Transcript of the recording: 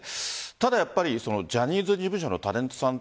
ただ、やっぱりジャニーズ事務所のタレントさん